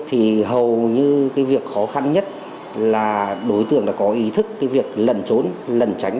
thì hầu như cái việc khó khăn nhất là đối tượng đã có ý thức cái việc lẩn trốn lẩn tránh